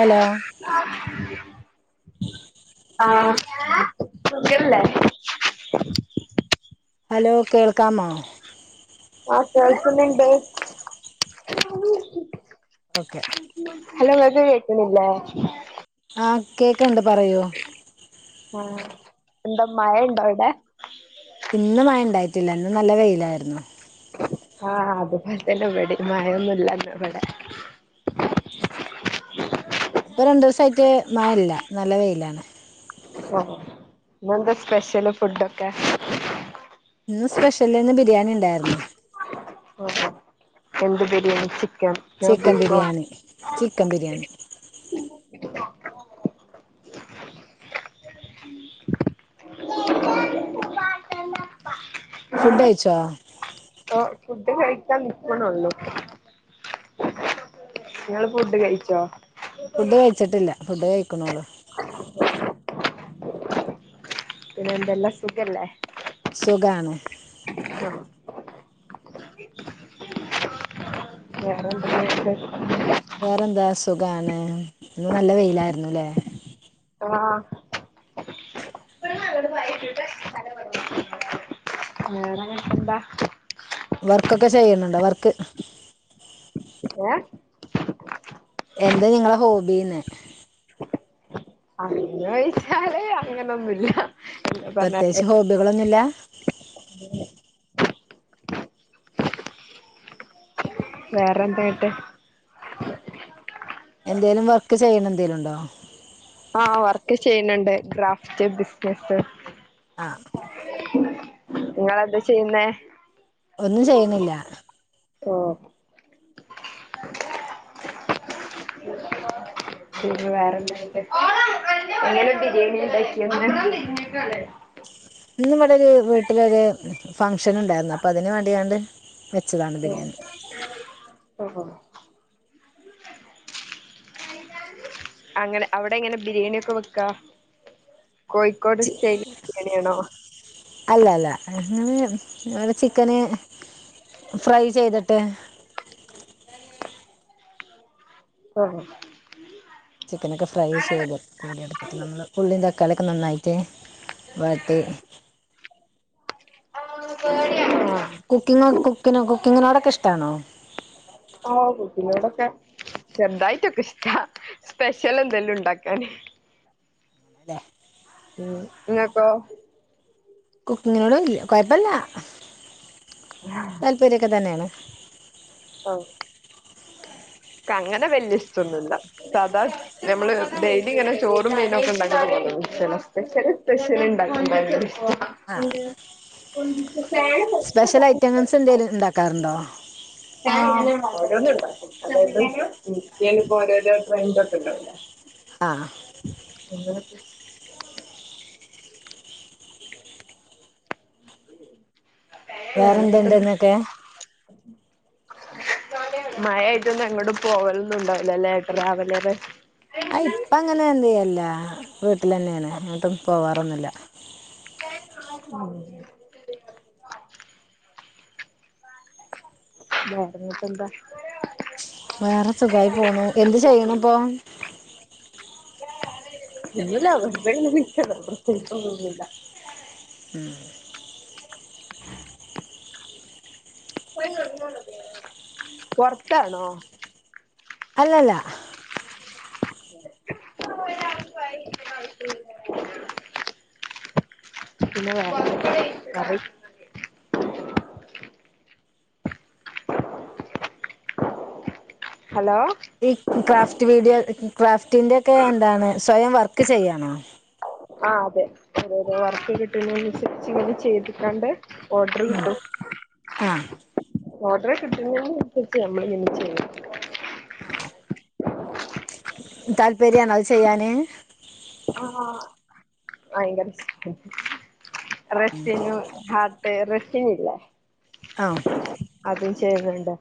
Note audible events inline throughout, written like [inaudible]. Hello ആ കിട്ട്ണ്ല്ലേ? Hello കേൾക്കാമോ? ആ കേൾക്കുന്ന് ണ്ട് ഓക്കെ ഹലോ ങ്ങക്ക് കേക്ണ് ല്ലേ ആ കേക്ക്ണ് ണ്ട് പറയൂ ആ എന്ത മയണ്ടോ അവിടെ ഇന്ന് മഴ ണ്ടായിട്ടില്ല ഇന്ന് നല്ല വെയിലായിരുന്നു ആ അതുപോലെ തന്നെ വടീം മഴയൊന്നും ല്ലാന്നു ഇവിടെ ഇപ്പൊ രണ്ടൂസായിട്ട് മയല്ല നല്ല വെയിലാണ് ഇന്നെന്താ സ്പെഷ്യല് ഫുഡൊക്കെ ഇന്ന് സ്പെഷ്യലന്ന് ബിരിയാണി ഉണ്ടായിരുന്നു എന്ത് ബിരിയാണി ചിക്കൻ ഞാൻ ചിക്കൻ ബീഫോ ബിരിയാണി ചിക്കൻ ബിരിയാണി ഫുഡ് കയ്ച്ചോ? പ്പൊ പഫുഡ്‌ കഴിക്കാൻ നിക്ക്ണൊള്ളൂ നങ്ങള് ഫുഡ് കഴിച്ചോ? കയിച്ചിട്ടില്ല ഫുഡ് കഴിക്ണോള്ളൂ പിന്നെ എന്തെല്ലാം സുഖല്ലേ? സുഖാണ് മ്മ് ഹ് വേറെന്തേ [inaudible] വേറെന്താ സുഖാണ് ഇന്ന് നല്ല വെയിലായിരുന്നുല്ലേ ആഹ് [inaudible] എന്താ വർക്കോക്കെ ചെയ്യണ് ണ്ടോ വർക്ക് ഏഹ് എന്താ നിങ്ങള ഹോബിന്ന് അങ്ങനോയ്ച്ചാല് അങ്ങനൊന്നുല്ല എന്താ പറഞ്ഞാല് പ്രത്യേകിച്ച് ഹോബികളൊന്നുല്ല വേറെ എന്തായിട്ട് എന്തേലും വർക്ക് ചെയ്യണ എന്തേലും ഇണ്ടോ ആഹ് വർക്ക് ചെയ്യുന്നുണ്ട് ഗ്രാഫ്റ്റ് ബിസിനസ്സ് ആഹ് നിങ്ങെളെന്താ ചെയ്യുന്നേ ഒന്നും ചെയ്യണില്ല ഓഹ് തീരു [inaudible] അങ്ങനെ ബിരിയാണി ഇണ്ടാക്കിന്ന് ഇന്ന് ഇവിടെ ഒരു വീട്ടിലൊരു ഫംഗഷൻ ഉണ്ടായിരുന്നു അപ്പൊ അതിന് വേണ്ടിയാണ്ട് വെച്ചതാണ് ബിരിയാണി ഓഹോ അങ്ങനെ അവിടെ എങ്ങനെ ബിരിയാണി ഒക്കെ വെക്ക കോഴിക്കോട് ചി സ്റ്റേ ബിരിയാണിയാണോ അല്ല അല്ല അങ്ങനെ ടെ ചിക്കന് ഫ്രൈ ചെയ്തിട്ട് ആഹ് ചിക്കനൊക്കെ ഫ്രൈ ചെയ്ത് എടുക്കൂലെ അത് നമ്മള് ഉള്ളീം തക്കാളിക്കെ നന്നായിട്ട് വാട്ടി ആ കുക്കിംഗ് കുക്കി കുക്കിങ്ങിനോടൊക്കെ ഇഷ്ടാണോ ആ കുക്കീങ്ങിനോടൊക്കെ ചെറുതായിട്ടൊക്കെ ഇഷ്ടാ സ്പെഷ്യൽ എന്തേലും ഇണ്ടാക്കാന് അതെ ഉം ഇങ്ങക്കോ കുക്കിങ്ങിനോടും ൽ കൊയപ്പില്ല ഉം താല്പര്യക്കെ തന്നെയാണ് ഓഹ് ക്കങ്ങനെ വല്യ ഇഷ്ടൊന്നുല്ല സാധാ നമ്മള് ഡെയിലി ഇങ്ങനെ ചോറും മീനും ഒക്കെ ഇണ്ടാക്കി സ്പെഷ്യല് സ്പെഷ്യല് ഇണ്ടാക്കി ആ [unintelligible] എന്ത് സ്പെഷ്യൽ ഐറ്റംസ് എന്തേലും ഇണ്ടാക്കാറുണ്ടോ ആഹ് ആഹ് നിങ്ങള് വേറെ ഏഹ് ട്ടെന്താ എന്തുണ്ടെന്നൊക്കെ മഴായിട്ട് എങ്ങോട്ടും പോകലൊന്നും ഉണ്ടാവില്ല അല്ലേ ട്രാവലർ ആ ഇപ്പ അങ്ങനെ എന്ത് ചെയ്യല്ല വീട്ടിൽ തന്നെയാണ് എങ്ങോട്ടൊന്നും പോവാറൊന്നുല്ല ഉം [unintelligible] ഇപ്പെന്താ വേറെ സുഖായി പോണു എന്ത് ചെയ്യണ് ഇപ്പൊ [unintelligible] ഉം [unintelligible] പുറത്താണോ അല്ലല്ല [inaudible] [inaudible] ഹലോ ഈ ക്രാഫ്റ്റ് വീഡിയോ ക്രാഫ്റ്റിന്റെറെയൊക്കെ എന്താണ് സ്വയം വർക്ക് ചെയ്യാണോ അഹ് അതെ [unintelligible] വർക്ക് കിട്ടതിനനുസരിച്ച് ഇങ്ങനെ ചെയ്തിട്ടണ്ട് ഓഡർ ഉം കിട്ടു ആ ഓർഡർ കിട്ടുന്ന [unintelligible] താല്പര്യണ അത് ചെയ്യാന് [unintelligible] [unintelligible] ഇല്ല ആഹ് അതും ചെയ്യുന്നുണ്ട്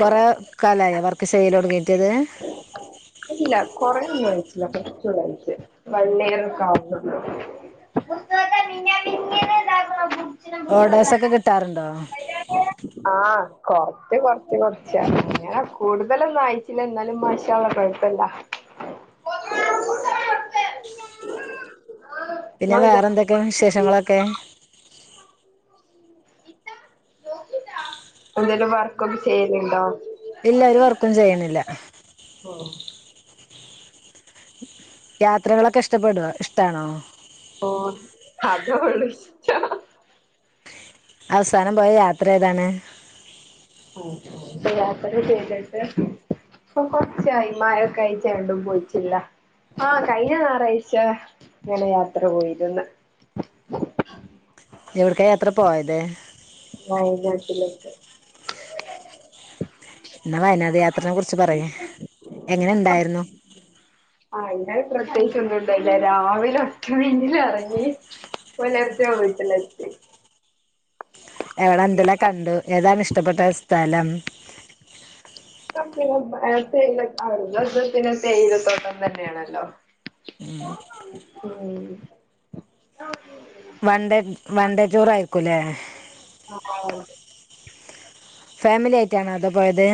കൊറെ കാലായി വർക്ക് ചെയ്യല് തുടങ്ങിയിട്ട് ഇത് അല്ല കൊറേ ഒന്നും കഴിച്ചില്ല കൊറച്ചഴച്ച് വള്ളിയറൊക്കെ ആവുന്നുള്ളൂ [unintelligible] ഓർഡേഴ്സ് ഒക്കെ കിട്ടാറുണ്ടോ ആഹ് കൊറച്ച് കൊറച്ച് കൊറച്ച അങ്ങ കൂടുതലൊന്നും അയിച്ചില്ല എന്നാലും മശളഴ [unintelligible] പിന്നെ വേറെ എന്തൊക്കെയാ വിശേഷങ്ങളൊക്കെ ഇത്താ ധോ എന്തേലും വർക്കൊക്കെ ചെയ്യുലിണ്ടോ ഇല്ല ഒരു വർക്കും ചെയ്യണില്ല ഓഹ് യാത്രകളൊക്കെ ഇഷ്ടപ്പെടുവോ ഇഷ്ടാണോ ഓഹ് യാത്രകള് ഇഷ്ടാ അവസാനം പോയ യാത്ര ഏതാണ് ഉം ഉം ഇപ്പം യാത്ര ചെയ്തിട്ട് ഇപ്പം കൊറച്ചായി മഴയൊക്കെ ആയിറ്റ് എങ്ങടും പോയിറ്റില്ല ആഹ് കഴിഞ്ഞ ഞായറാഴ്ച ഇങ്ങനെ യാത്ര പോയിര്ന്ന് എവിട്ക്കാ യാത്ര പോയത് വയനാട്ടിലേക്ക് എന്നാ വയനാട് യാത്രനെ കുറിച്ച് പറയ്യ് എങ്ങനെ ഉണ്ടായിരുന്നു ആഹ് ഇന്നലെ പ്രത്യേകിച്ച് ഒന്നും ഉണ്ടായില്ല രാവിലെ ഒക്കെ [unintelligible] എറങ്ങി പുലർച്ചെ വീട്ടിൽ എത്തി എവിടെ എന്തെല്ലാം കണ്ടു ഏതാണ് ഇഷ്ടപ്പെട്ട സ്ഥലം [unintelligible] പിന്നെ തെയിലത്തോട്ടം തന്നെയാണല്ലോ ഉം [unintelligible] വൺണ്ടേ വൺണ്ടേ ടൂർ ആയിരിക്കൂലേ [unintelligible] ഫാമിലി ആയിട്ടാണോ അതോ പോയത്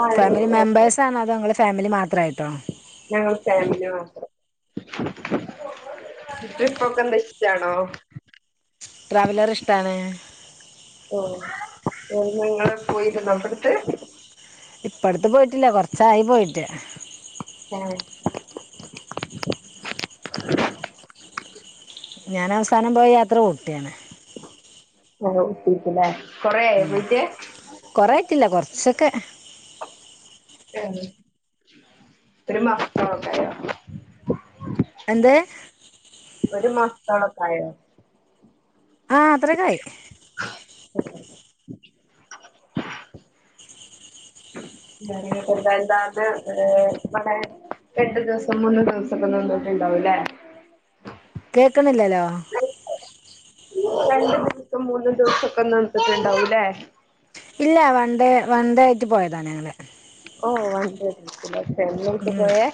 ആഹ് ഫാമിലി ആഹ് മെമ്പേഴ്സ് [unintelligible] അതോ നിങ്ങള് ഫാമിലി മാത്രം ആയിട്ടോ ഞങ്ങൾ ഫാമിലി മാത്രം ട്രിപ്പൊക്കെ എന്താ ഇഷ്ടാണോ ട്രാവലറ് ഇഷ്ടാണ് ഓ ഞങ്ങള് പോയിരുന്നോ അപ്പർത്ത് ഇപ്പടുത്ത് പോയിട്ടില്ല കൊറച്ചായി പോയിട്ട് ആഹ് [inaudible] ഞാൻ അവസാനം പോയ യാത്ര ഊട്ടിയാണ് [unintelligible] കൊറെ ആയോ പോയിട്ട് കൊറെ ആയിട്ടില്ല കൊറച്ചൊക്കെ ആഹ് ഒര് മാസത്തോളൊക്കെ ആയോ എന്ത് ഒരു മാസത്തോളൊക്കെ ആയോ ആഹ് അത്രക്കെ ആയി [unintelligible] രണ്ട് ദിവസം മൂന്ന് ദിവസൊക്കെ നിന്നിട്ടുണ്ടാവും അല്ലേ കേക്ക്ണില്ലലോ ഇപ്പം മൂന്ന് ദിവസൊക്കെ നിന്നിട്ടുണ്ടാവുംല്ലേ ഇല്ല വണ്ടേ വണ്ടേ ആയിട്ട് പോയതാ ഞങ്ങള് ഓ വണ്ടേ ട്രിപ്പില് ഫാമിലി ആയിട്ട പോയെ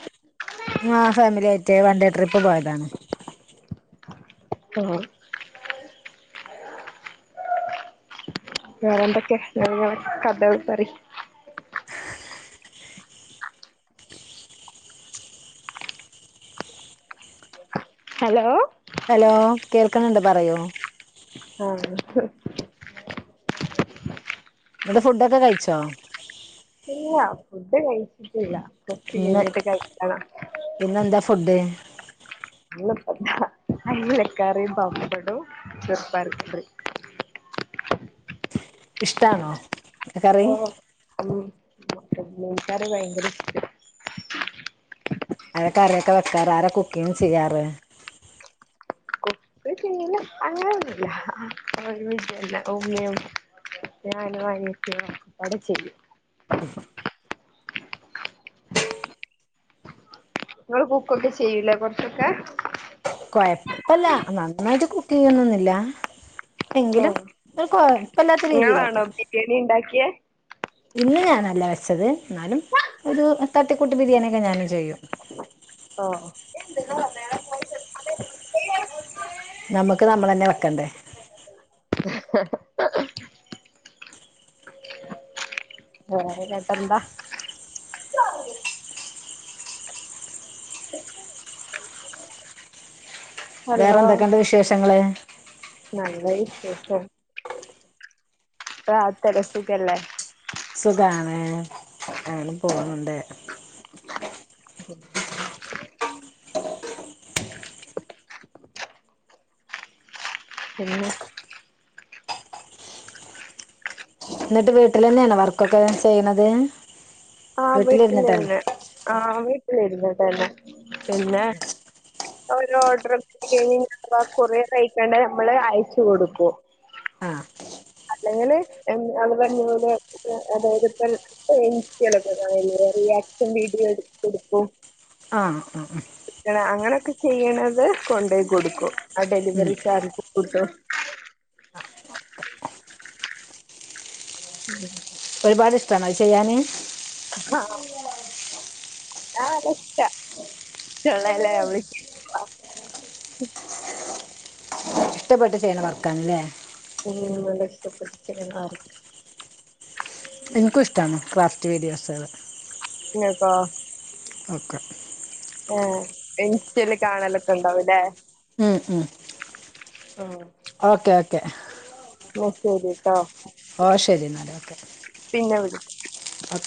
ആഹ് ഫാമിലി ആയിട്ട് വൺഡേ ട്രിപ്പ് പോയതാണ് ആഹ് വേറെന്തൊക്കെ വേറെന്താണ് കഥ പറി ഹലോ ഹലോ കേൾക്കുന്നുണ്ട് പറയോ ആഹ് ഫുഡൊക്കെ കഴിച്ചോ ഇല്ല ഫുഡ് കഴിച്ചിട്ടില്ല കൊറച്ച് ഇന്ന് കഴിഞ്ഞിട്ട് കഴിക്കണം ഇന്നെന്താ ഫുഡ് എലക്കറി പപ്പടം ചെറുപയർ കറി ഇഷ്ടാണോ കറി ഓഹ് മീൻകറി ഭയങ്കര ഇഷ്ട ആരാ കറി ഒകെ വെക്കാറ് ആരെ കുക്കിങ് ചെയ്യാറ് [inaudible] അങ്ങനെയൊന്നുമല്ല വിജയല്ല അന വനൊക്കെയ അവിടെ ചെയ്യും ഉ [inaudible] നിങ്ങൾ കുക്കൊക്കെ ചെയ്യൂലെ കുറച്ച് ഒക്കെ കൊഴപ്പല്ല നന്നായിട്ട് കുക്കിങ് ചെയ്യുന്നൊന്നില്ല എങ്കിലും ഓഹ് ഒരു കൊഴപ്പല്ലാത്ത രീതിയിലൊക്കെ എണി ഉണ്ടാക്കിയെ ഇന്ന് ഞാനല്ല വെച്ചത് എന്നാലും ഒരു തട്ടിക്കൂട്ട് ബിരിയാണി ഒക്കെ ഞാനും ചെയ്യും ആഹ് നമ്മക്ക് നമ്മളന്നെ വെക്കണ്ടേ ഉം ന്നട്ടെന്താ ഹലോ വേറെ എന്തേക്കെ ഉണ്ട് വിശേഷങ്ങള് നല്ല വിശേഷം ക്ലാസ്സ‌ എ [unintelligible] അല്ലേ സുഖാണ് അങ്ങനെ പോണ് ണ്ട് പിന്നെ ന്നട്ട് വീട്ടിലന്നെണോ വർക്കൊക്കെ ചെയ്യ്ണത് ആ വീട്ടിലന്നെ ആ വീട്ടിലിര്ന്ന്ട്ടന്നെ പിന്നെ ഒരു ഓഡറ് [unintelligible] കൊറേ കയിക്കണ് നമ്മള് അയച് കൊടുക്കും ആഹ് അല്ലങ്കില് [unintelligible] ആ റിയാക്ഷൻ വീഡിയോ എട്ക്കട്ക്കും ആ ആ അങ്ങനെയൊക്കെ ചെയ്യ്ണത് കൊണ്ടയി കൊട്ക്കും ആ ഉം ഡെലിവറി ചാർജ് കൊട്ത്തു ഉം ഒരുപാട് ഇഷ്ടാണോ അത് ചെയ്യാന് ആ ആ അത് ഇഷ്ട [unintelligible] ഇഷ്ടപ്പെട്ട് ചെയ്യ്ണ വർക്കാണ് ലെ ഉം അതെ ഇഷ്ടപെട്ട് ചെയ്യുന്ന വർക്ക എനിക്കും ഇഷ്ടാണ് ക്രാഫ്റ്റ് വീഡിയോസള് ഇങ്ങക്കൊ ഒക്കെ ഏ ഇൻസ്റ്റേല് കാണലൊക്കെ ഇണ്ടാവു ലെ ഉം ഉം ആഹ് ഓക്കെ ഓക്കെ ന്നാ ശരി ട്ടോ ഓ ശരി ന്നാല് ഓക്കെ പിന്നെ വി ഓക്കെ